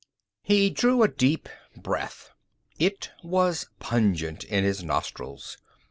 He drew a deep breath. It was pungent in his nostrils.